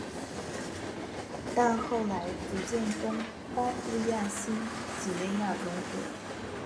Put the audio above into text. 但后来逐渐跟巴布亚新几内亚融合。